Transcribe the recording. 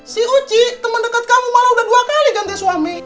si oci teman dekat kamu malah udah dua kali ganti suami